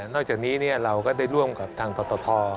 จากนี้เราก็ได้ร่วมกับทางปตท